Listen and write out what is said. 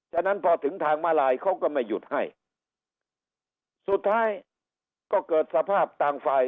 ฉะนั้นพอถึงทางมาลายเขาก็ไม่หยุดให้สุดท้ายก็เกิดสภาพต่างฝ่าย